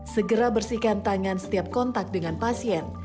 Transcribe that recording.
segera bersihkan tangan setiap kontak dengan pasien